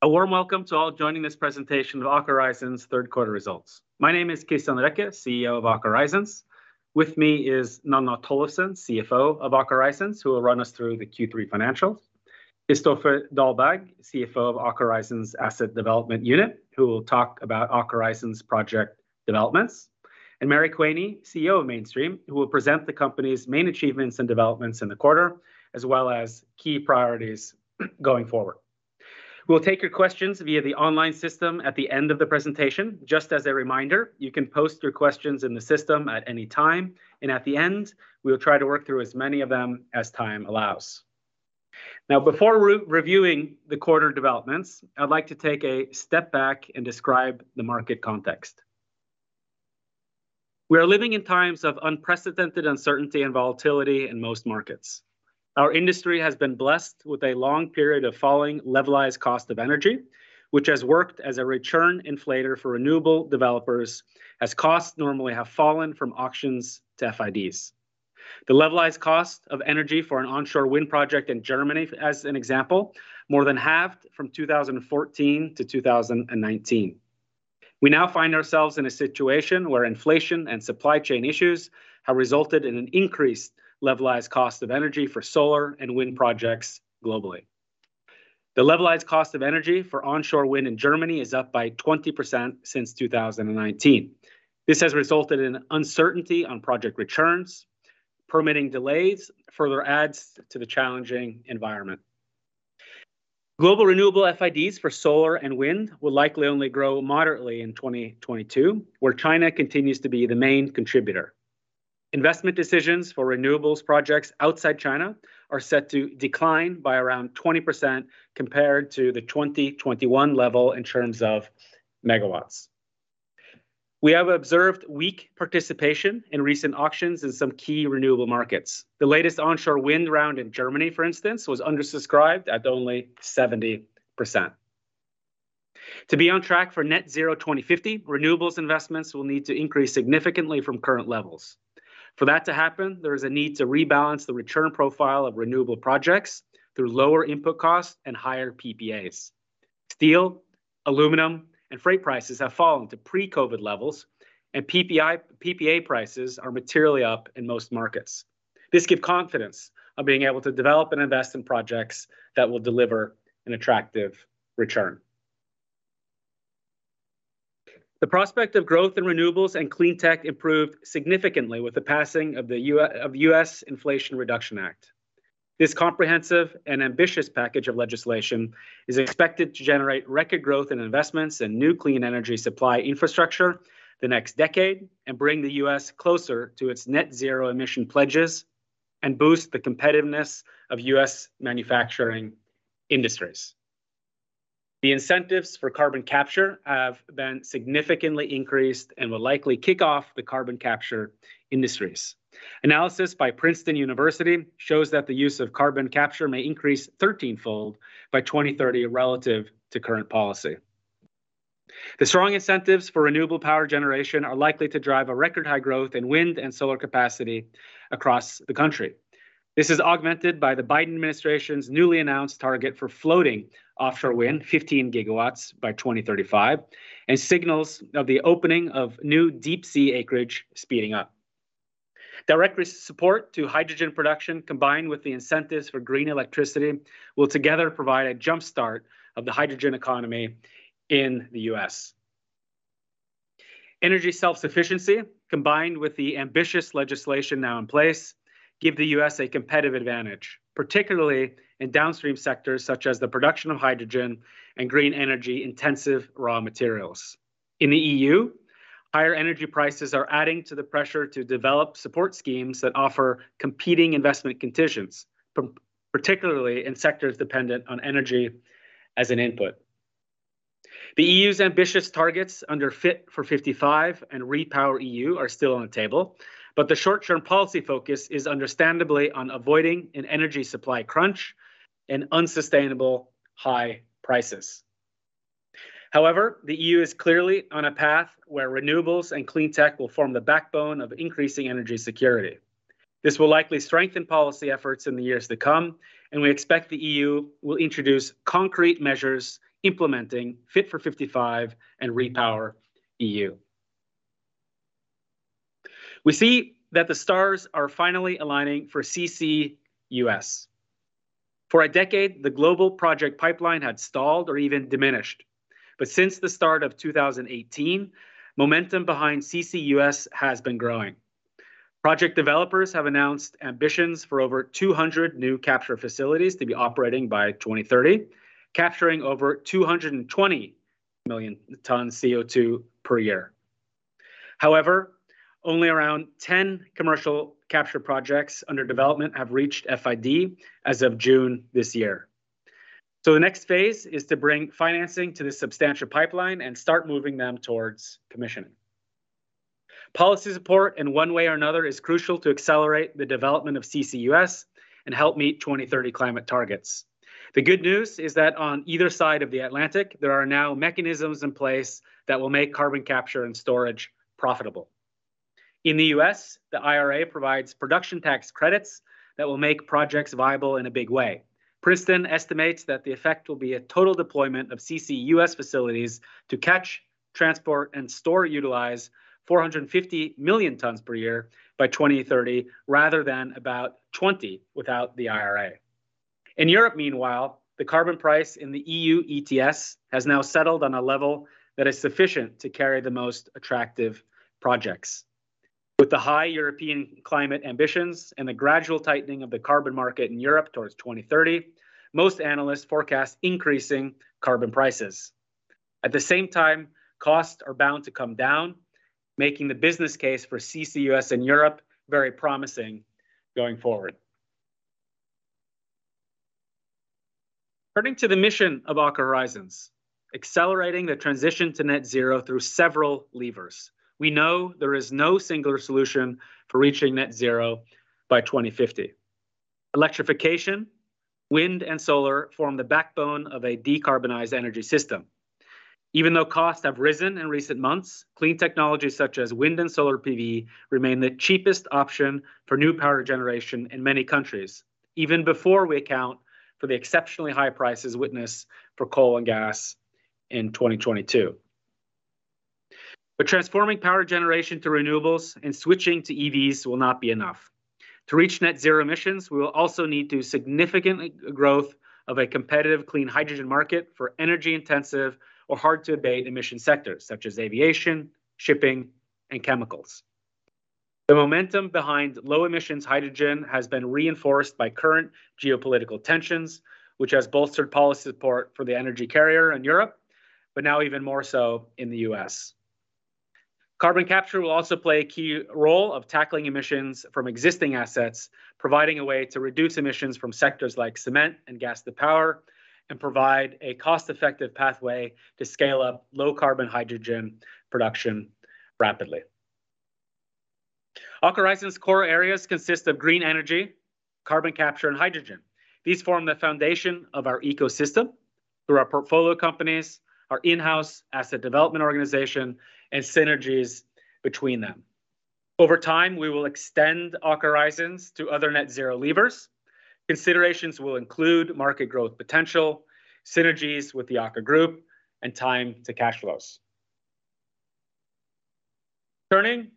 A warm welcome to all joining this presentation of Aker Horizons' third quarter results. My name is Kristian Røkke, CEO of Aker Horizons. With me is Nanna Tollefsen, CFO of Aker Horizons, who will run us through the Q3 financials. Kristoffer Dahlberg, CFO of Aker Horizons Asset Development, who will talk about Aker Horizons project developments. Mary Quaney, CEO of Mainstream, who will present the company's main achievements and developments in the quarter, as well as key priorities going forward. We'll take your questions via the online system at the end of the presentation. Just as a reminder, you can post your questions in the system at any time, and at the end, we will try to work through as many of them as time allows. Now, before re-reviewing the quarter developments, I'd like to take a step back and describe the market context. We are living in times of unprecedented uncertainty and volatility in most markets. Our industry has been blessed with a long period of falling levelized cost of energy, which has worked as a return inflator for renewable developers as costs normally have fallen from auctions to FIDs. The levelized cost of energy for an onshore wind project in Germany, as an example, more than halved from 2014 to 2019. We now find ourselves in a situation where inflation and supply chain issues have resulted in an increased levelized cost of energy for solar and wind projects globally. The levelized cost of energy for onshore wind in Germany is up by 20% since 2019. This has resulted in uncertainty on project returns. Permitting delays further adds to the challenging environment. Global renewable FIDs for solar and wind will likely only grow moderately in 2022, where China continues to be the main contributor. Investment decisions for renewables projects outside China are set to decline by around 20% compared to the 2021 level in terms of megawatts. We have observed weak participation in recent auctions in some key renewable markets. The latest onshore wind round in Germany, for instance, was undersubscribed at only 70%. To be on track for net zero 2050, renewables investments will need to increase significantly from current levels. For that to happen, there is a need to rebalance the return profile of renewable projects through lower input costs and higher PPAs. Steel, aluminum, and freight prices have fallen to pre-COVID levels, and PPA prices are materially up in most markets. This gives confidence of being able to develop and invest in projects that will deliver an attractive return. The prospect of growth in renewables and clean tech improved significantly with the passing of the U.S. Inflation Reduction Act. This comprehensive and ambitious package of legislation is expected to generate record growth in investments in new clean energy supply infrastructure the next decade and bring the U.S. closer to its net zero emission pledges and boost the competitiveness of U.S. manufacturing industries. The incentives for carbon capture have been significantly increased and will likely kick off the carbon capture industries. Analysis by Princeton University shows that the use of carbon capture may increase 13-fold by 2030 relative to current policy. The strong incentives for renewable power generation are likely to drive a record high growth in wind and solar capacity across the country. This is augmented by the Biden administration's newly announced target for floating offshore wind, 15 GW by 2035, and signals of the opening of new deep sea acreage speeding up. Direct support to hydrogen production, combined with the incentives for green electricity, will together provide a jumpstart of the hydrogen economy in the U.S. Energy self-sufficiency, combined with the ambitious legislation now in place, give the U.S. a competitive advantage, particularly in downstream sectors such as the production of hydrogen and green energy-intensive raw materials. In the E.U., higher energy prices are adding to the pressure to develop support schemes that offer competing investment conditions, particularly in sectors dependent on energy as an input. The E.U.'s ambitious targets under Fit for 55 and REPowerEU are still on the table, but the short-term policy focus is understandably on avoiding an energy supply crunch and unsustainable high prices. However, the EU is clearly on a path where renewables and clean tech will form the backbone of increasing energy security. This will likely strengthen policy efforts in the years to come, and we expect the EU will introduce concrete measures implementing Fit for 55 and REPowerEU. We see that the stars are finally aligning for CCUS. For a decade, the global project pipeline had stalled or even diminished. Since the start of 2018, momentum behind CCUS has been growing. Project developers have announced ambitions for over 200 new capture facilities to be operating by 2030, capturing over 220 million tons CO2 per year. However, only around 10 commercial capture projects under development have reached FID as of June this year. The next phase is to bring financing to this substantial pipeline and start moving them towards commissioning. Policy support in one way or another is crucial to accelerate the development of CCUS and help meet 2030 climate targets. The good news is that on either side of the Atlantic, there are now mechanisms in place that will make carbon capture and storage profitable. In the US, the IRA provides production tax credits that will make projects viable in a big way. Princeton estimates that the effect will be a total deployment of CCUS facilities to capture, transport, and store and utilize 450 million tons per year by 2030, rather than about 20 without the IRA. In Europe, meanwhile, the carbon price in the EU ETS has now settled on a level that is sufficient to carry the most attractive projects. With the high European climate ambitions and the gradual tightening of the carbon market in Europe towards 2030, most analysts forecast increasing carbon prices. At the same time, costs are bound to come down, making the business case for CCUS in Europe very promising going forward. Turning to the mission of Aker Horizons, accelerating the transition to net zero through several levers. We know there is no singular solution for reaching net zero by 2050. Electrification, wind, and solar form the backbone of a decarbonized energy system. Even though costs have risen in recent months, clean technologies such as wind and solar PV remain the cheapest option for new power generation in many countries, even before we account for the exceptionally high prices witnessed for coal and gas in 2022. Transforming power generation to renewables and switching to EVs will not be enough. To reach net zero emissions, we will also need significant growth of a competitive clean hydrogen market for energy-intensive or hard-to-abate emission sectors, such as aviation, shipping, and chemicals. The momentum behind low-emission hydrogen has been reinforced by current geopolitical tensions, which have bolstered policy support for the energy carrier in Europe, but now even more so in the U.S. Carbon capture will also play a key role in tackling emissions from existing assets, providing a way to reduce emissions from sectors like cement and gas-to-power and provide a cost-effective pathway to scale up low-carbon hydrogen production rapidly. Aker Horizons' core areas consist of green energy, carbon capture, and hydrogen. These form the foundation of our ecosystem through our portfolio companies, our in-house asset development organization, and synergies between them. Over time, we will extend Aker Horizons to other net zero levers. Considerations will include market growth potential, synergies with the Aker group, and time to cash flows. Turning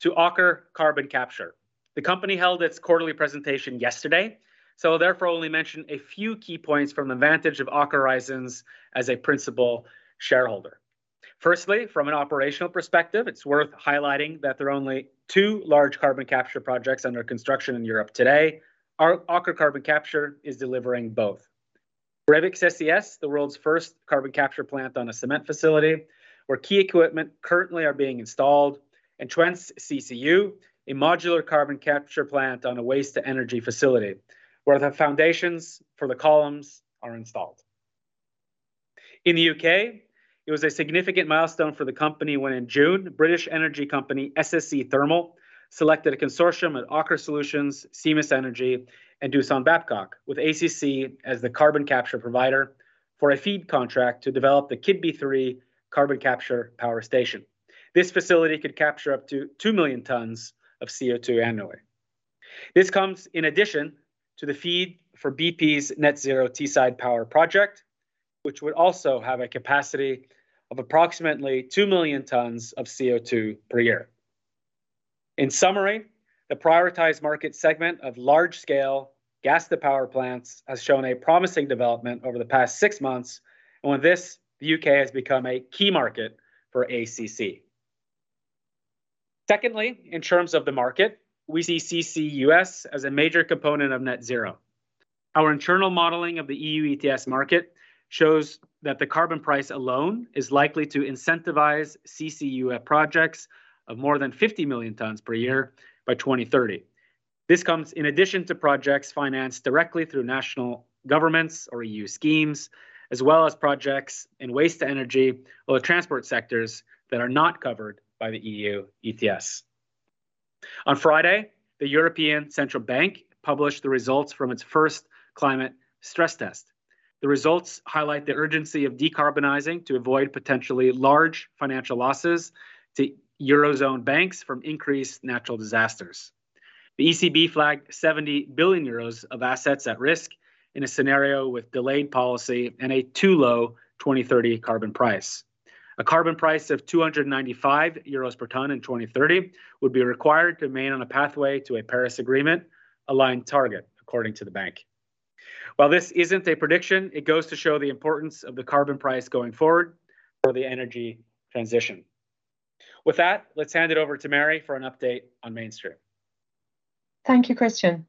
to Aker Carbon Capture. The company held its quarterly presentation yesterday, so therefore only mention a few key points from the vantage of Aker Horizons as a principal shareholder. Firstly, from an operational perspective, it's worth highlighting that there are only two large carbon capture projects under construction in Europe today. Our Aker Carbon Capture is delivering both. Brevik CCS, the world's first carbon capture plant on a cement facility, where key equipment currently are being installed, and Twence CCU, a modular carbon capture plant on a waste-to-energy facility, where the foundations for the columns are installed. In the UK, it was a significant milestone for the company when in June, British energy company SSE Thermal selected a consortium of Aker Solutions, Siemens Energy, and Doosan Babcock, with ACC as the carbon capture provider for a FEED contract to develop the Keadby three carbon capture power station. This facility could capture up to two million tons of CO2 annually. This comes in addition to the FEED for BP's Net Zero Teesside power project, which would also have a capacity of approximately two million tons of CO2 per year. In summary, the prioritized market segment of large scale gas to power plants has shown a promising development over the past six months, and with this, the UK has become a key market for ACC. Secondly, in terms of the market, we see CCUS as a major component of net zero. Our internal modeling of the EU ETS market shows that the carbon price alone is likely to incentivize CCUS projects of more than 50 million tons per year by 2030. This comes in addition to projects financed directly through national governments or EU schemes, as well as projects in waste to energy or transport sectors that are not covered by the EU ETS. On Friday, the European Central Bank published the results from its first climate stress test. The results highlight the urgency of decarbonizing to avoid potentially large financial losses to Eurozone banks from increased natural disasters. The ECB flagged 70 billion euros of assets at risk in a scenario with delayed policy and a too low 2030 carbon price. A carbon price of 295 euros per ton in 2030 would be required to remain on a pathway to a Paris Agreement aligned target, according to the bank. While this isn't a prediction, it goes to show the importance of the carbon price going forward for the energy transition. With that, let's hand it over to Mary for an update on Mainstream. Thank you, Kristian.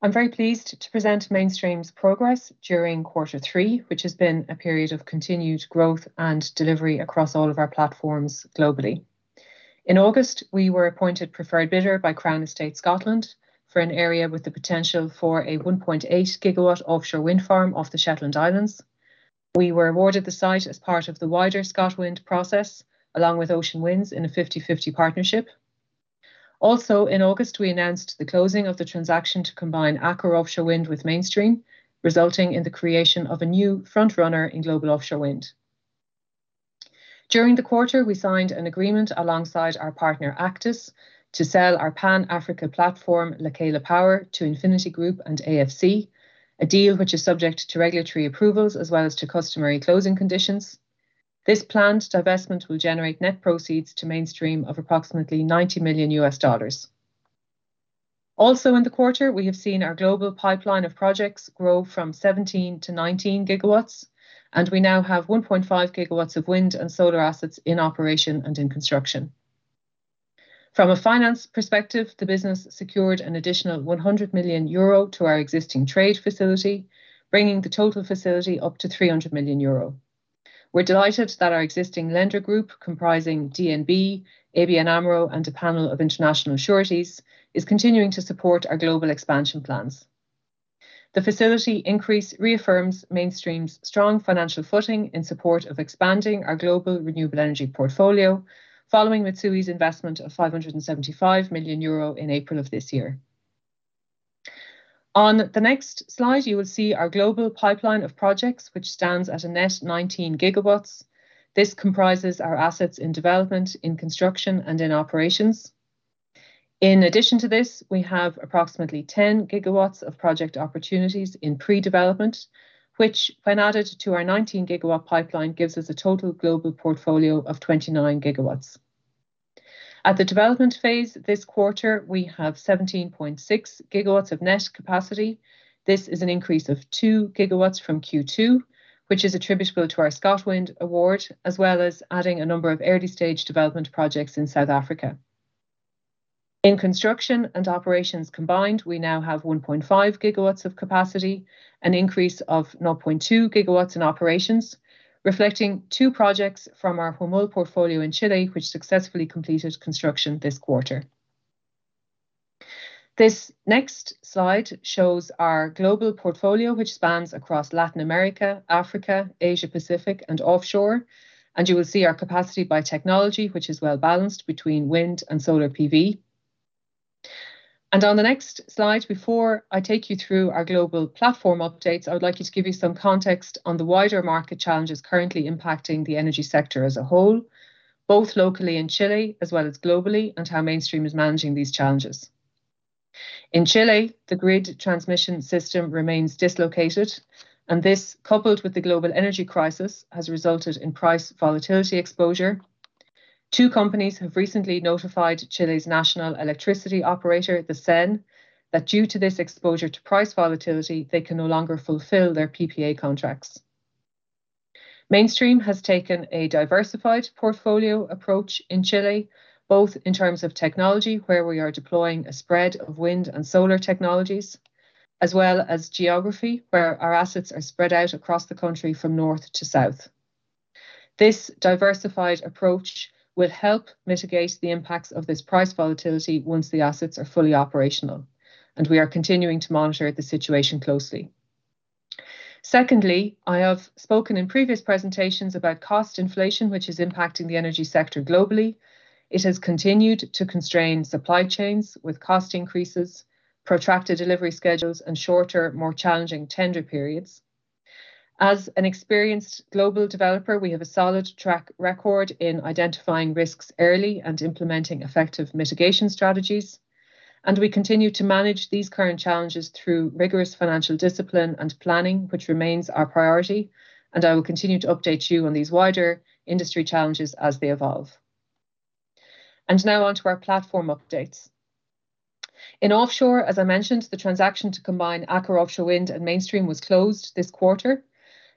I'm very pleased to present Mainstream's progress during quarter three, which has been a period of continued growth and delivery across all of our platforms globally. In August, we were appointed preferred bidder by Crown Estate Scotland for an area with the potential for a 1.8 GW offshore wind farm off the Shetland Islands. We were awarded the site as part of the wider ScotWind process, along with Ocean Winds in a 50/50 partnership. Also, in August, we announced the closing of the transaction to combine Aker Offshore Wind with Mainstream, resulting in the creation of a new front runner in global offshore wind. During the quarter, we signed an agreement alongside our partner Actis to sell our Pan-Africa platform, Lekela Power, to Infinity Group and AFC, a deal which is subject to regulatory approvals as well as to customary closing conditions. This planned divestment will generate net proceeds to Mainstream of approximately $90 million. In the quarter, we have seen our global pipeline of projects grow from 17-19 GW, and we now have 1.5 GW of wind and solar assets in operation and in construction. From a finance perspective, the business secured an additional 100 million euro to our existing trade facility, bringing the total facility up to 300 million euro. We're delighted that our existing lender group, comprising DNB, ABN AMRO, and a panel of international sureties, is continuing to support our global expansion plans. The facility increase reaffirms Mainstream's strong financial footing in support of expanding our global renewable energy portfolio following Mitsui's investment of 575 million euro in April of this year. On the next slide, you will see our global pipeline of projects, which stands at a net 19 GW. This comprises our assets in development, in construction, and in operations. In addition to this, we have approximately 10 GW of project opportunities in pre-development, which, when added to our 19 GW pipeline, gives us a total global portfolio of 29 GW. At the development phase this quarter, we have 17.6 GW of net capacity. This is an increase of 2 GW from Q2, which is attributable to our ScotWind award, as well as adding a number of early-stage development projects in South Africa. In construction and operations combined, we now have 1.5 GW of capacity, an increase of 0.2 GW in operations, reflecting two projects from our Huemul portfolio in Chile, which successfully completed construction this quarter. This next slide shows our global portfolio, which spans across Latin America, Africa, Asia-Pacific, and offshore, and you will see our capacity by technology, which is well-balanced between wind and solar PV. On the next slide, before I take you through our global platform updates, I would like to give you some context on the wider market challenges currently impacting the energy sector as a whole, both locally in Chile as well as globally, and how Mainstream is managing these challenges. In Chile, the grid transmission system remains dislocated, and this, coupled with the global energy crisis, has resulted in price volatility exposure. Two companies have recently notified Chile's national electricity operator, the CEN, that due to this exposure to price volatility, they can no longer fulfill their PPA contracts. Mainstream has taken a diversified portfolio approach in Chile, both in terms of technology, where we are deploying a spread of wind and solar technologies, as well as geography, where our assets are spread out across the country from north to south. This diversified approach will help mitigate the impacts of this price volatility once the assets are fully operational, and we are continuing to monitor the situation closely. Secondly, I have spoken in previous presentations about cost inflation, which is impacting the energy sector globally. It has continued to constrain supply chains with cost increases, protracted delivery schedules, and shorter, more challenging tender periods. As an experienced global developer, we have a solid track record in identifying risks early and implementing effective mitigation strategies, and we continue to manage these current challenges through rigorous financial discipline and planning, which remains our priority, and I will continue to update you on these wider industry challenges as they evolve. Now on to our platform updates. In offshore, as I mentioned, the transaction to combine Aker Offshore Wind and Mainstream was closed this quarter.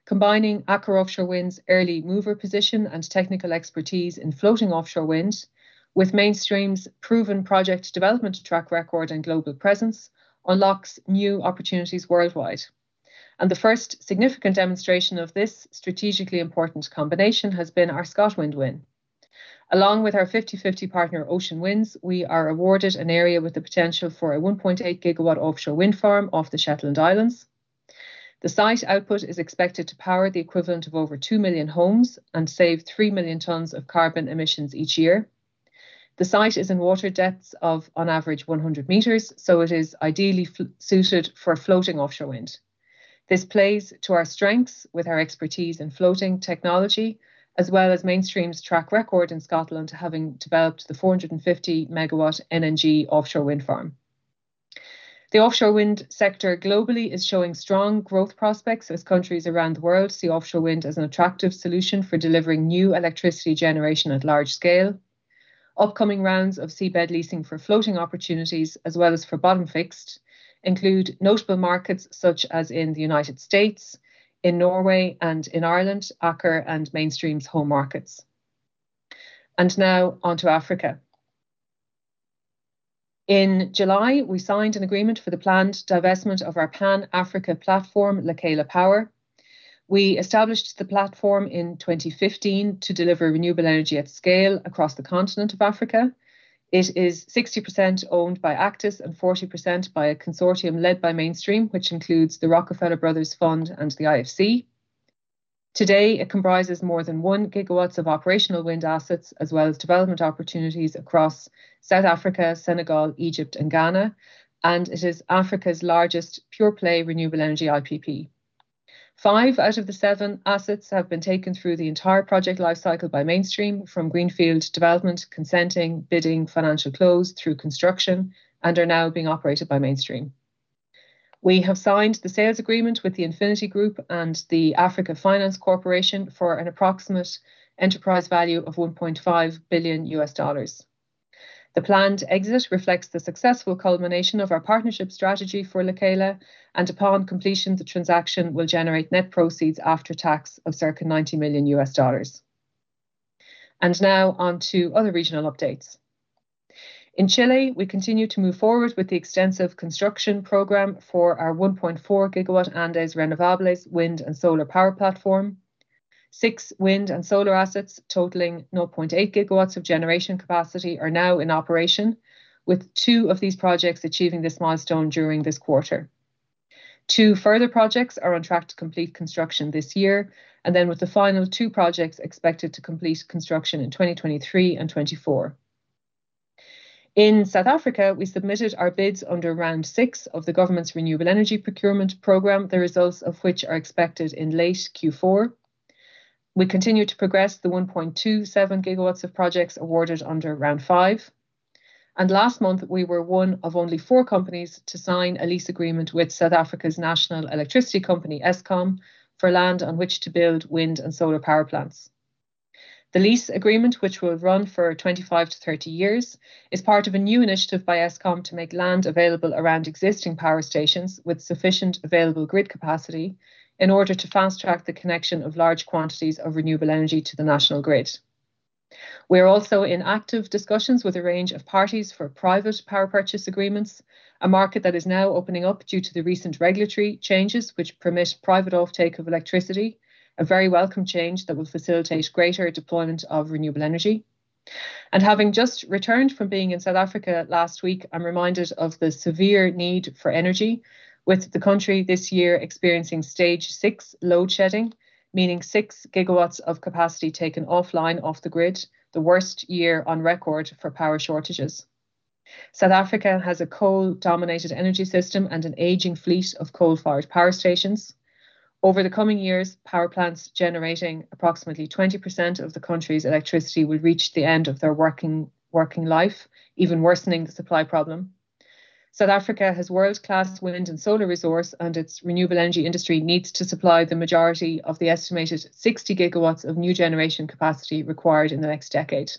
Combining Aker Offshore Wind's early mover position and technical expertise in floating offshore wind with Mainstream's proven project development track record and global presence unlocks new opportunities worldwide. The first significant demonstration of this strategically important combination has been our ScotWind win. Along with our 50/50 partner, Ocean Winds, we are awarded an area with the potential for a 1.8 GW offshore wind farm off the Shetland Islands. The site output is expected to power the equivalent of over two million homes and save three million tons of carbon emissions each year. The site is in water depths of on average 100 meters, so it is ideally suited for floating offshore wind. This plays to our strengths with our expertise in floating technology, as well as Mainstream's track record in Scotland, having developed the 450 MW NnG offshore wind farm. The offshore wind sector globally is showing strong growth prospects as countries around the world see offshore wind as an attractive solution for delivering new electricity generation at large scale. Upcoming rounds of seabed leasing for floating opportunities, as well as for bottom-fixed, include notable markets such as in the United States, in Norway, and in Ireland, Aker and Mainstream's home markets. Now on to Africa. In July, we signed an agreement for the planned divestment of our Pan-Africa platform, Lekela Power. We established the platform in 2015 to deliver renewable energy at scale across the continent of Africa. It is 60% owned by Actis and 40% by a consortium led by Mainstream, which includes the Rockefeller Brothers Fund and the IFC. Today, it comprises more than 1 GW of operational wind assets, as well as development opportunities across South Africa, Senegal, Egypt, and Ghana, and it is Africa's largest pure-play renewable energy IPP. Five out of the seven assets have been taken through the entire project life cycle by Mainstream from greenfield development, consenting, bidding, financial close through construction, and are now being operated by Mainstream. We have signed the sales agreement with the Infinity Group and the Africa Finance Corporation for an approximate enterprise value of $1.5 billion. The planned exit reflects the successful culmination of our partnership strategy for Lekela, and upon completion, the transaction will generate net proceeds after tax of circa $90 million. Now on to other regional updates. In Chile, we continue to move forward with the extensive construction program for our 1.4 GW Andes Renovables wind and solar power platform. Six wind and solar assets totaling 0.8 GW of generation capacity are now in operation, with two of these projects achieving this milestone during this quarter. Two further projects are on track to complete construction this year, and then with the final two projects expected to complete construction in 2023 and 2024. In South Africa, we submitted our bids under round six of the government's Renewable Energy Independent Power Producer Procurement Program, the results of which are expected in late Q4. We continue to progress the 1.27 GW of projects awarded under round five. Last month, we were one of only four companies to sign a lease agreement with South Africa's national electricity company, Eskom, for land on which to build wind and solar power plants. The lease agreement, which will run for 25 tp 30 years, is part of a new initiative by Eskom to make land available around existing power stations with sufficient available grid capacity in order to fast-track the connection of large quantities of renewable energy to the national grid. We're also in active discussions with a range of parties for private power purchase agreements, a market that is now opening up due to the recent regulatory changes which permit private offtake of electricity, a very welcome change that will facilitate greater deployment of renewable energy. Having just returned from being in South Africa last week, I'm reminded of the severe need for energy, with the country this year experiencing stage six load shedding, meaning 6 GW of capacity taken offline off the grid, the worst year on record for power shortages. South Africa has a coal-dominated energy system and an aging fleet of coal-fired power stations. Over the coming years, power plants generating approximately 20% of the country's electricity will reach the end of their working life, even worsening the supply problem. South Africa has world-class wind and solar resource, and its renewable energy industry needs to supply the majority of the estimated 60 GW of new generation capacity required in the next decade.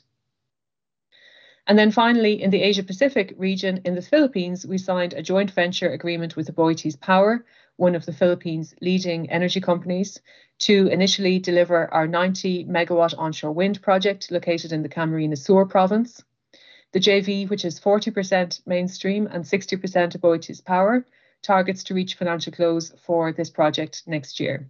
Finally, in the Asia-Pacific region, in the Philippines, we signed a joint venture agreement with AboitizPower, one of the Philippines' leading energy companies, to initially deliver our 90-MW onshore wind project located in the Camarines Sur Province. The JV, which is 40% Mainstream and 60% AboitizPower, targets to reach financial close for this project next year.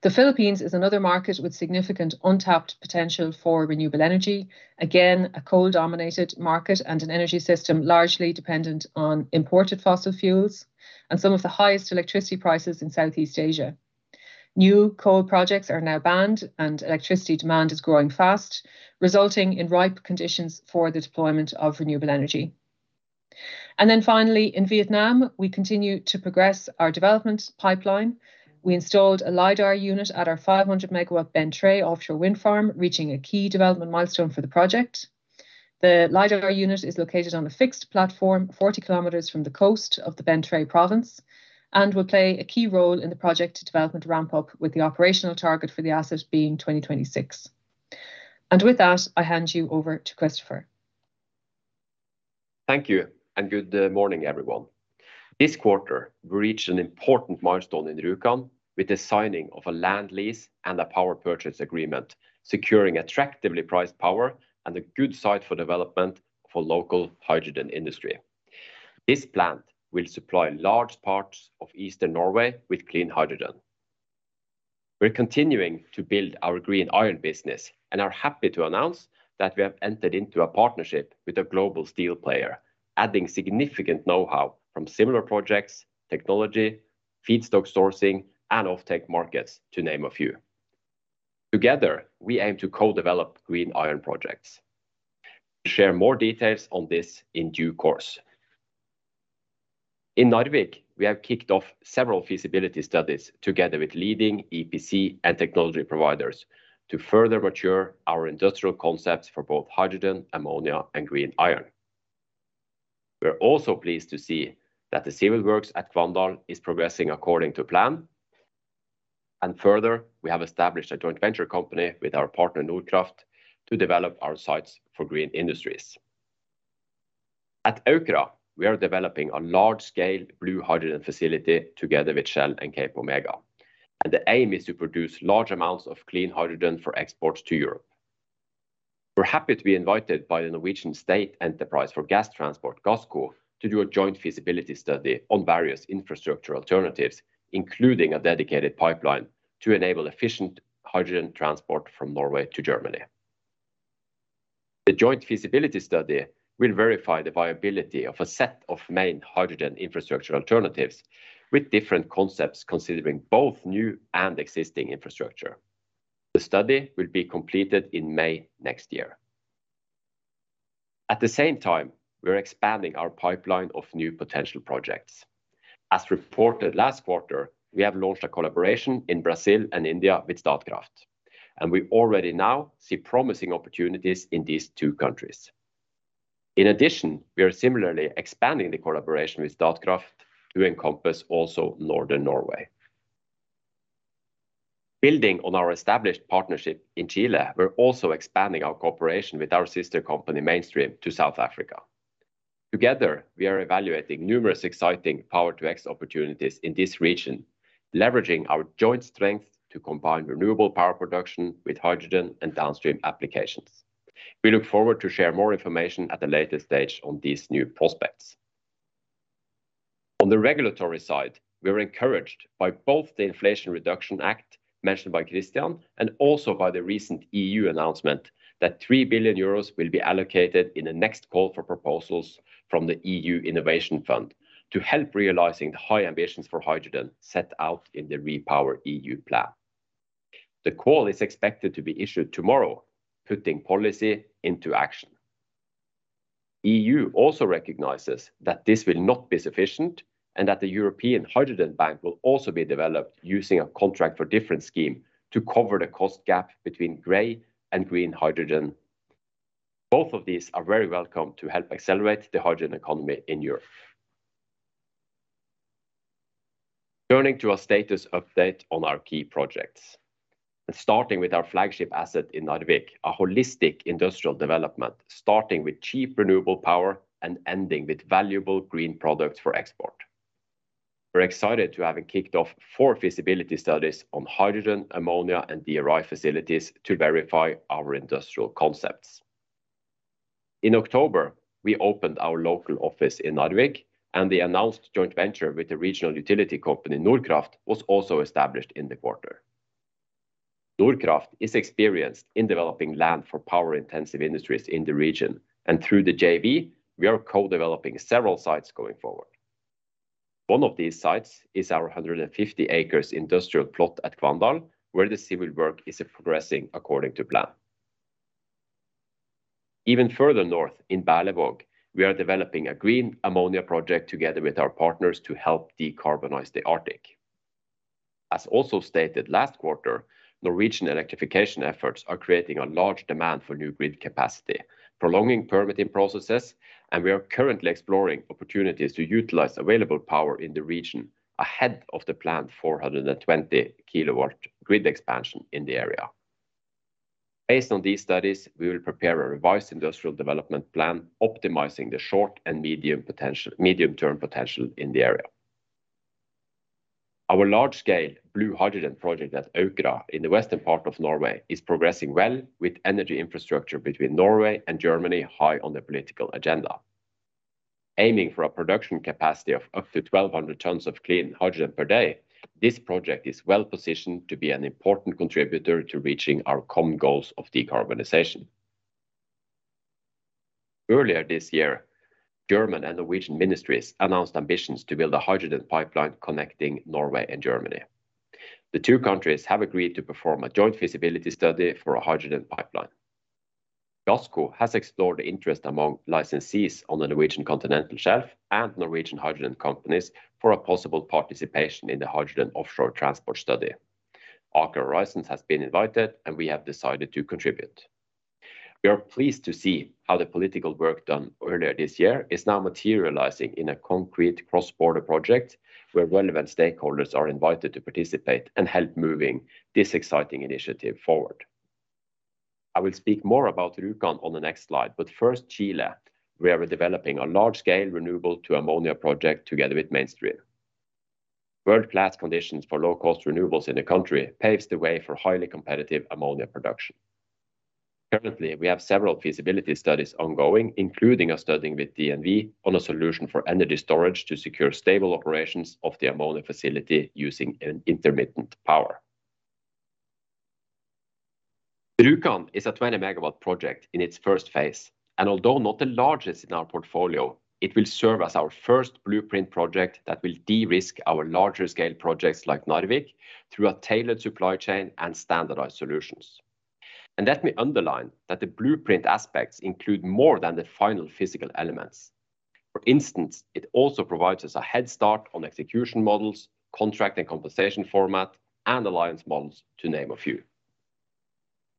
The Philippines is another market with significant untapped potential for renewable energy. Again, a coal-dominated market and an energy system largely dependent on imported fossil fuels and some of the highest electricity prices in Southeast Asia. New coal projects are now banned and electricity demand is growing fast, resulting in ripe conditions for the deployment of renewable energy. Finally, in Vietnam, we continue to progress our development pipeline. We installed a LiDAR unit at our 500 MW Ben Tre offshore wind farm, reaching a key development milestone for the project. The LiDAR unit is located on a fixed platform 40 km from the coast of the Ben Tre province and will play a key role in the project development ramp-up, with the operational target for the asset being 2026. With that, I hand you over to Kristoffer. Thank you and good morning, everyone. This quarter, we reached an important milestone in Rjukan with the signing of a land lease and a power purchase agreement, securing attractively priced power and a good site for development for local hydrogen industry. This plant will supply large parts of Eastern Norway with clean hydrogen. We're continuing to build our green iron business and are happy to announce that we have entered into a partnership with a global steel player, adding significant know-how from similar projects, technology, feedstock sourcing, and offtake markets, to name a few. Together, we aim to co-develop green iron projects. Share more details on this in due course. In Narvik, we have kicked off several feasibility studies together with leading EPC and technology providers to further mature our industrial concepts for both hydrogen, ammonia, and green iron. We're also pleased to see that the civil works at Kvandal is progressing according to plan. We have established a joint venture company with our partner, Nordkraft, to develop our sites for green industries. At Aukra, we are developing a large-scale blue hydrogen facility together with Shell and CapeOmega, and the aim is to produce large amounts of clean hydrogen for exports to Europe. We're happy to be invited by the Norwegian State Enterprise for gas transport, Gassco, to do a joint feasibility study on various infrastructure alternatives, including a dedicated pipeline to enable efficient hydrogen transport from Norway to Germany. The joint feasibility study will verify the viability of a set of main hydrogen infrastructure alternatives with different concepts considering both new and existing infrastructure. The study will be completed in May next year. At the same time, we are expanding our pipeline of new potential projects. As reported last quarter, we have launched a collaboration in Brazil and India with Statkraft, and we already now see promising opportunities in these two countries. In addition, we are similarly expanding the collaboration with Statkraft to encompass also northern Norway. Building on our established partnership in Chile, we're also expanding our cooperation with our sister company, Mainstream, to South Africa. Together, we are evaluating numerous exciting Power-to-X opportunities in this region, leveraging our joint strength to combine renewable power production with hydrogen and downstream applications. We look forward to share more information at a later stage on these new prospects. On the regulatory side, we are encouraged by both the Inflation Reduction Act mentioned by Kristian and also by the recent EU announcement that 3 billion euros will be allocated in the next call for proposals from the EU Innovation Fund to help realizing the high ambitions for hydrogen set out in the REPowerEU plan. The call is expected to be issued tomorrow, putting policy into action. EU also recognizes that this will not be sufficient, and that the European Hydrogen Bank will also be developed using a contract for difference scheme to cover the cost gap between gray and green hydrogen. Both of these are very welcome to help accelerate the hydrogen economy in Europe. Turning to a status update on our key projects. Starting with our flagship asset in Narvik, a holistic industrial development, starting with cheap renewable power and ending with valuable green products for export. We're excited to have it kicked off four feasibility studies on hydrogen, ammonia, and DRI facilities to verify our industrial concepts. In October, we opened our local office in Narvik, and the announced joint venture with the regional utility company, Nordkraft, was also established in the quarter. Nordkraft is experienced in developing land for power-intensive industries in the region, and through the JV, we are co-developing several sites going forward. One of these sites is our 150 acres industrial plot at Kvandal, where the civil work is progressing according to plan. Even further north in Berlevåg, we are developing a green ammonia project together with our partners to help decarbonize the Arctic. As also stated last quarter, Norwegian electrification efforts are creating a large demand for new grid capacity, prolonging permitting processes, and we are currently exploring opportunities to utilize available power in the region ahead of the planned 420 kW grid expansion in the area. Based on these studies, we will prepare a revised industrial development plan optimizing the short and medium potential, medium-term potential in the area. Our large scale blue hydrogen project at Aukra in the western part of Norway is progressing well with energy infrastructure between Norway and Germany high on the political agenda. Aiming for a production capacity of up to 1,200 tons of clean hydrogen per day, this project is well positioned to be an important contributor to reaching our common goals of decarbonization. Earlier this year, German and Norwegian ministries announced ambitions to build a hydrogen pipeline connecting Norway and Germany. The two countries have agreed to perform a joint feasibility study for a hydrogen pipeline. Gassco has explored the interest among licensees on the Norwegian continental shelf and Norwegian hydrogen companies for a possible participation in the hydrogen offshore transport study. Aker Horizons has been invited, and we have decided to contribute. We are pleased to see how the political work done earlier this year is now materializing in a concrete cross-border project where relevant stakeholders are invited to participate and help moving this exciting initiative forward. I will speak more about Rjukan on the next slide, but first Chile, where we're developing a large-scale renewable to ammonia project together with Mainstream. World-class conditions for low cost renewables in the country paves the way for highly competitive ammonia production. Currently, we have several feasibility studies ongoing, including a study with DNV on a solution for energy storage to secure stable operations of the ammonia facility using an intermittent power. Rjukan is a 20 MW project in its first phase, and although not the largest in our portfolio, it will serve as our first blueprint project that will de-risk our larger scale projects like Narvik through a tailored supply chain and standardized solutions. Let me underline that the blueprint aspects include more than the final physical elements. For instance, it also provides us a head start on execution models, contract and compensation format, and alliance models, to name a few.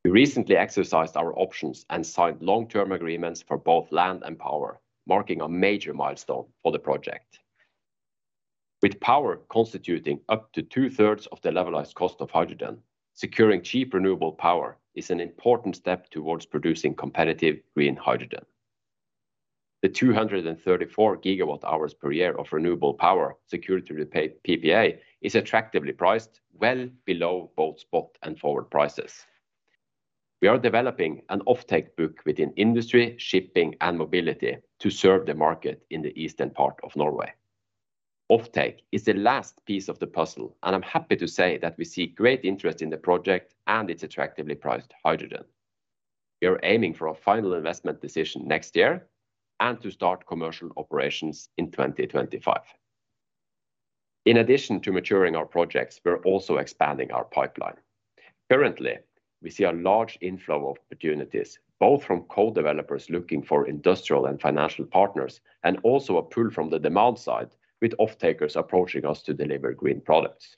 We recently exercised our options and signed long-term agreements for both land and power, marking a major milestone for the project. With power constituting up to two-thirds of the levelized cost of hydrogen, securing cheap renewable power is an important step towards producing competitive green hydrogen. The 234 GWh per year of renewable power secured through PPA is attractively priced well below both spot and forward prices. We are developing an offtake book within industry, shipping and mobility to serve the market in the eastern part of Norway. Offtake is the last piece of the puzzle, and I'm happy to say that we see great interest in the project and its attractively priced hydrogen. We are aiming for a final investment decision next year and to start commercial operations in 2025. In addition to maturing our projects, we're also expanding our pipeline. Currently, we see a large inflow of opportunities, both from co-developers looking for industrial and financial partners, and also a pull from the demand side with off-takers approaching us to deliver green products.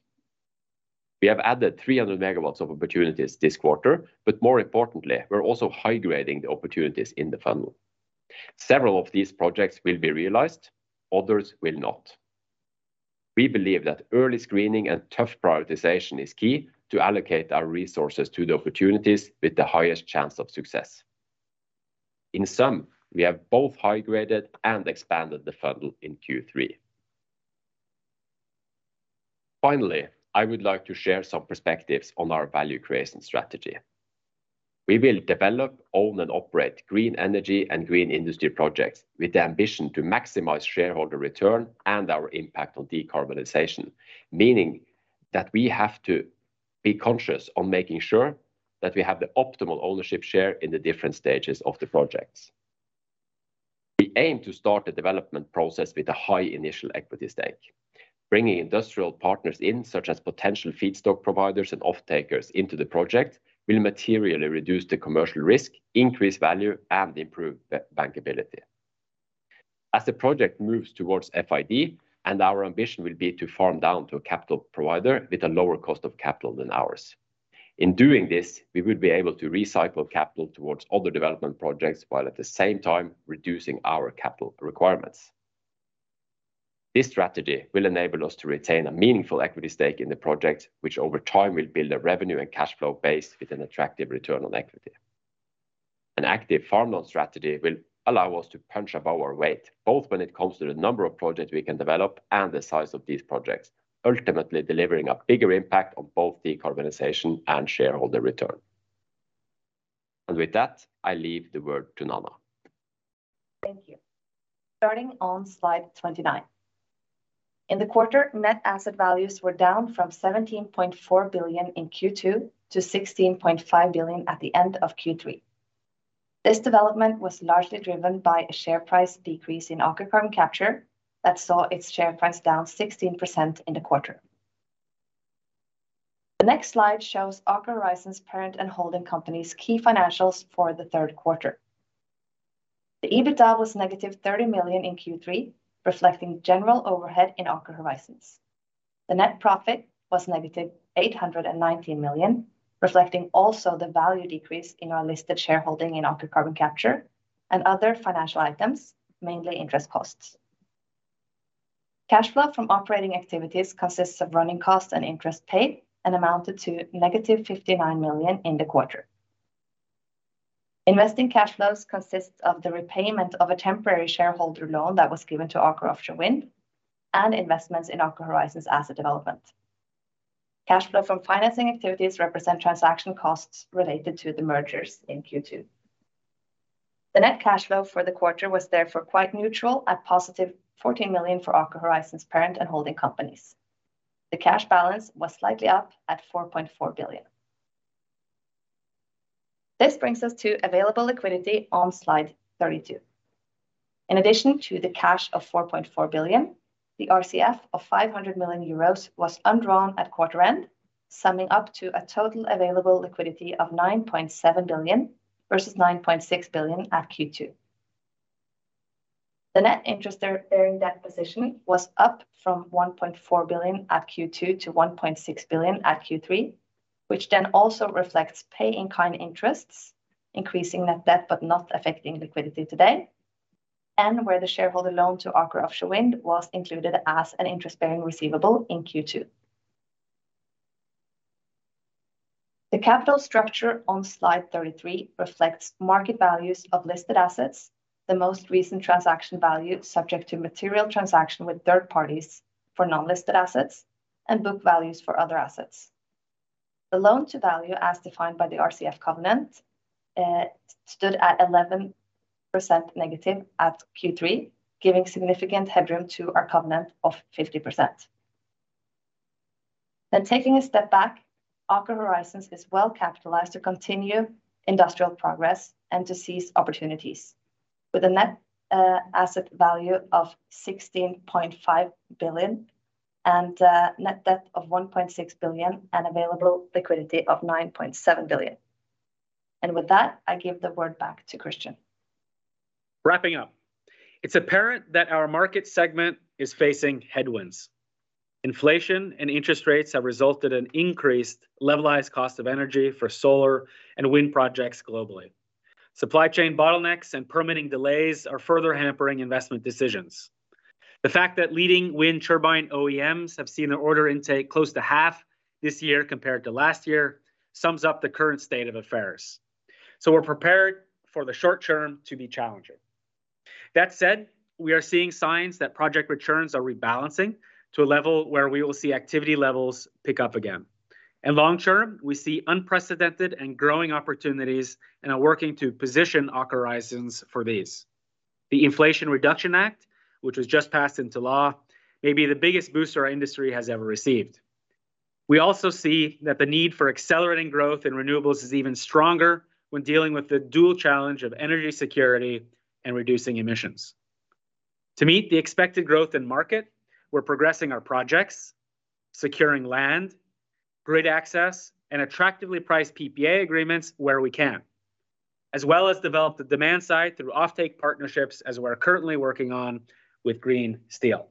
We have added 300 MW of opportunities this quarter, but more importantly, we're also high-grading the opportunities in the funnel. Several of these projects will be realized, others will not. We believe that early screening and tough prioritization is key to allocate our resources to the opportunities with the highest chance of success. In sum, we have both high-graded and expanded the funnel in Q3. Finally, I would like to share some perspectives on our value creation strategy. We will develop, own, and operate green energy and green industry projects with the ambition to maximize shareholder return and our impact on decarbonization, meaning that we have to be conscious on making sure that we have the optimal ownership share in the different stages of the projects. We aim to start the development process with a high initial equity stake. Bringing industrial partners in such as potential feedstock providers and off-takers into the project will materially reduce the commercial risk, increase value, and improve the bankability. As the project moves towards FID, and our ambition will be to farm down to a capital provider with a lower cost of capital than ours. In doing this, we will be able to recycle capital towards other development projects, while at the same time reducing our capital requirements. This strategy will enable us to retain a meaningful equity stake in the project, which over time will build a revenue and cash flow base with an attractive return on equity. An active farm-out strategy will allow us to punch above our weight, both when it comes to the number of projects we can develop and the size of these projects, ultimately delivering a bigger impact on both decarbonization and shareholder return. With that, I leave the word to Nanna. Thank you. Starting on slide 29. In the quarter, net asset values were down from 17.4 billion in Q2 to 16.5 billion at the end of Q3. This development was largely driven by a share price decrease in Aker Carbon Capture that saw its share price down 16% in the quarter. The next slide shows Aker Horizons parent and holding company's key financials for the third quarter. The EBITDA was -30 million in Q3, reflecting general overhead in Aker Horizons. The net profit was -819 million, reflecting also the value decrease in our listed shareholding in Aker Carbon Capture and other financial items, mainly interest costs. Cash flow from operating activities consists of running costs and interest paid and amounted to -59 million in the quarter. Investing cash flows consists of the repayment of a temporary shareholder loan that was given to Aker Offshore Wind and investments in Aker Horizons Asset Development. Cash flow from financing activities represent transaction costs related to the mergers in Q2. The net cash flow for the quarter was therefore quite neutral at positive 14 million for Aker Horizons parent and holding companies. The cash balance was slightly up at 4.4 billion. This brings us to available liquidity on slide 32. In addition to the cash of 4.4 billion, the RCF of 500 million euros was undrawn at quarter end, summing up to a total available liquidity of 9.7 billion versus 9.6 billion at Q2. The net interest during that position was up from 1.4 billion at Q2 to 1.6 billion at Q3, which then also reflects pay-in-kind interests, increasing net debt, but not affecting liquidity today, and where the shareholder loan to Aker Offshore Wind was included as an interest-bearing receivable in Q2. The capital structure on slide 33 reflects market values of listed assets, the most recent transaction value subject to material transaction with third parties for non-listed assets, and book values for other assets. The loan to value as defined by the RCF covenant stood at 11% negative at Q3, giving significant headroom to our covenant of 50%. Now taking a step back, Aker Horizons is well-capitalized to continue industrial progress and to seize opportunities with a net asset value of 16.5 billion and net debt of 1.6 billion and available liquidity of 9.7 billion. With that, I give the word back to Kristian. Wrapping up. It's apparent that our market segment is facing headwinds. Inflation and interest rates have resulted in increased levelized cost of energy for solar and wind projects globally. Supply chain bottlenecks and permitting delays are further hampering investment decisions. The fact that leading wind turbine OEMs have seen their order intake close to half this year compared to last year sums up the current state of affairs. We're prepared for the short term to be challenging. That said, we are seeing signs that project returns are rebalancing to a level where we will see activity levels pick up again. Long term, we see unprecedented and growing opportunities and are working to position Aker Horizons for these. The Inflation Reduction Act, which was just passed into law, may be the biggest boost our industry has ever received. We also see that the need for accelerating growth in renewables is even stronger when dealing with the dual challenge of energy security and reducing emissions. To meet the expected growth in market, we're progressing our projects, securing land, grid access, and attractively priced PPA agreements where we can, as well as develop the demand side through offtake partnerships, as we are currently working on with green steel.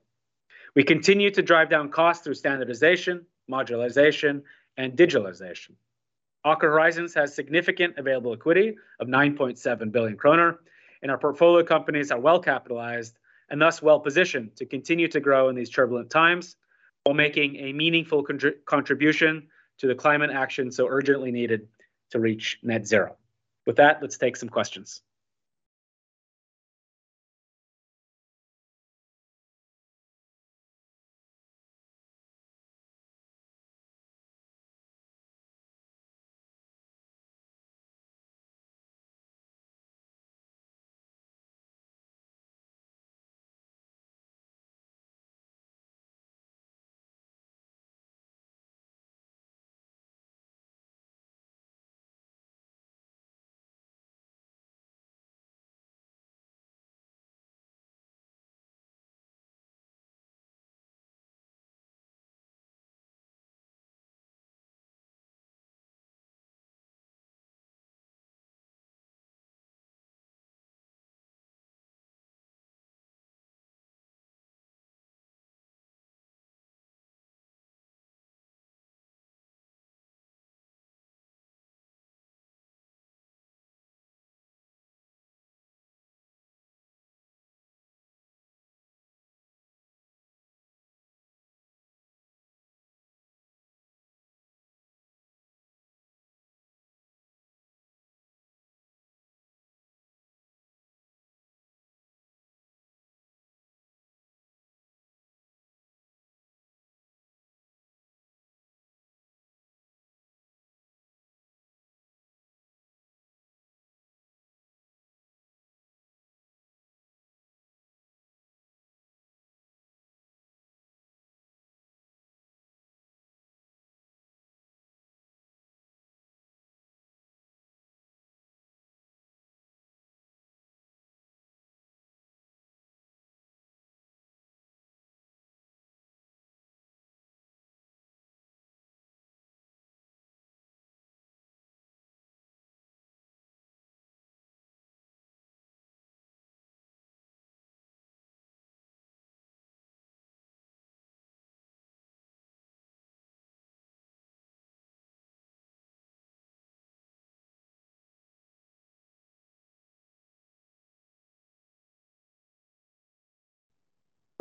We continue to drive down costs through standardization, modularization, and digitalization. Aker Horizons has significant available equity of 9.7 billion kroner, and our portfolio companies are well capitalized and thus well-positioned to continue to grow in these turbulent times while making a meaningful contribution to the climate action so urgently needed to reach net zero. With that, let's take some questions.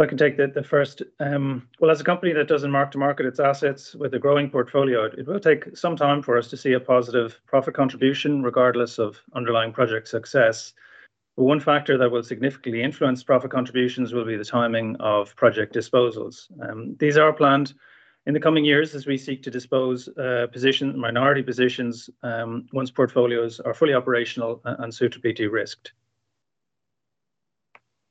I can take the first. As a company that doesn't mark to market its assets with a growing portfolio, it will take some time for us to see a positive profit contribution regardless of underlying project success. One factor that will significantly influence profit contributions will be the timing of project disposals. These are planned in the coming years as we seek to position minority positions once portfolios are fully operational and suitably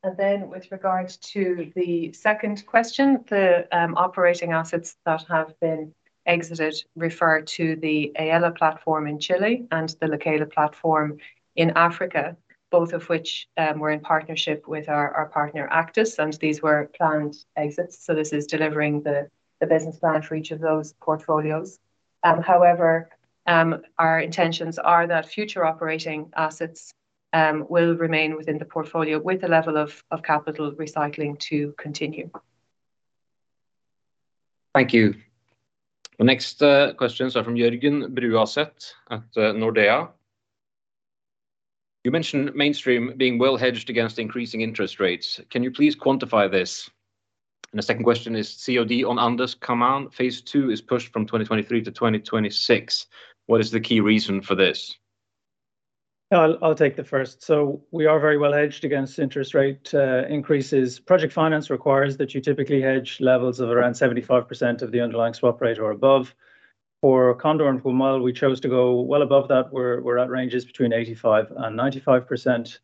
de-risked. With regards to the second question, the operating assets that have been exited refer to the Aela platform in Chile and the Lekela platform in Africa, both of which were in partnership with our partner Actis, and these were planned exits, so this is delivering the business plan for each of those portfolios. However, our intentions are that future operating assets will remain within the portfolio with the level of capital recycling to continue. Thank you. The next question is from Jørgen Bruaset at Nordea. You mentioned Mainstream being well hedged against increasing interest rates. Can you please quantify this? And the second question is, COD on Andes Camán Phase II is pushed from 2023 to 2026. What is the key reason for this? I'll take the first. We are very well hedged against interest rate increases. Project finance requires that you typically hedge levels of around 75% of the underlying swap rate or above. For Cóndor and Pumal, we chose to go well above that. We're at ranges between 85% and 95%.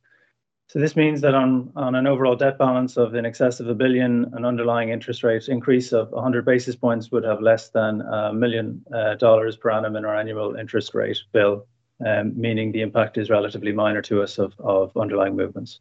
This means that on an overall debt balance of in excess of 1 billion, an underlying interest rates increase of 100 basis points would have less than $1 million per annum in our annual interest rate bill, meaning the impact is relatively minor to us of underlying movements.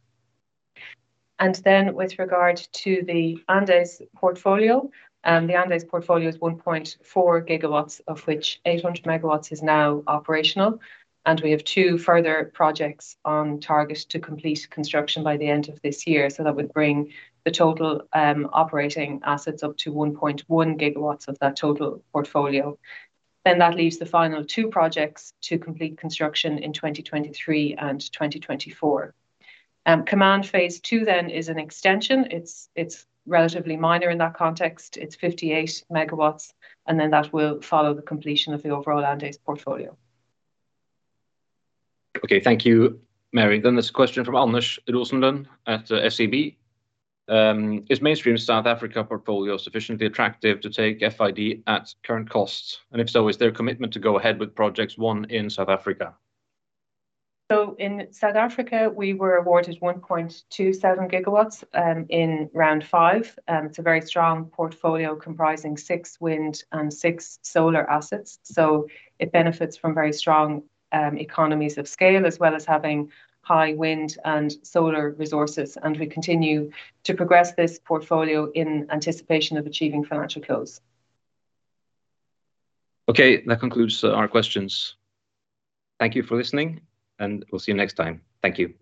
With regard to the Andes portfolio, the Andes portfolio is 1.4 GW, of which 800 MW is now operational, and we have two further projects on target to complete construction by the end of this year. That would bring the total operating assets up to 1.1 GW of that total portfolio. That leaves the final two projects to complete construction in 2023 and 2024. Camán Phase II then is an extension. It's relatively minor in that context. It's 58 MW, and then that will follow the completion of the overall Andes portfolio. Okay. Thank you, Mary. This question from Anders Olsson at SEB. Is Mainstream's South Africa portfolio sufficiently attractive to take FID at current costs? And if so, is there a commitment to go ahead with projects won in South Africa? In South Africa, we were awarded 1.27 GW in round five. It's a very strong portfolio comprising six wind and six solar assets. It benefits from very strong economies of scale, as well as having high wind and solar resources. We continue to progress this portfolio in anticipation of achieving financial close. Okay. That concludes our questions. Thank you for listening, and we'll see you next time. Thank you.